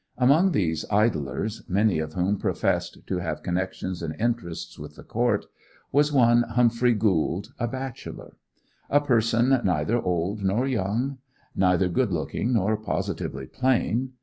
Among these idlers—many of whom professed to have connections and interests with the Court—was one Humphrey Gould, a bachelor; a personage neither young nor old; neither good looking nor positively plain.